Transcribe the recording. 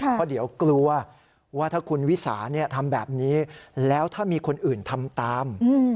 เพราะเดี๋ยวกลัวว่าถ้าคุณวิสาทำแบบนี้แล้วถ้ามีคนอื่นทำตาม